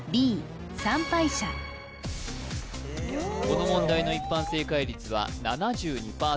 この問題の一般正解率は７２％